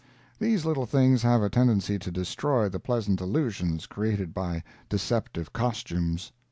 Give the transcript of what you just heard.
These little things have a tendency to destroy the pleasant illusions created by deceptive costumes.